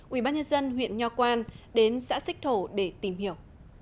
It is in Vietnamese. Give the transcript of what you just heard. ubnd huyện nho quan đến xã xích thổ để tìm hiểu